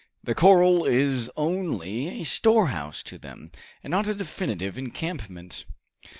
The corral is only a storehouse to them, and not a definitive encampment."